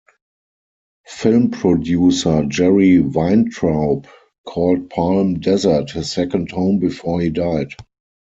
Film producer Jerry Weintraub called Palm Desert his second home before he died.